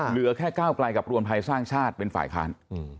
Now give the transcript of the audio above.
เหลือแค่ก้าวไกลกับรวมไทยสร้างชาติเป็นฝ่ายค้าน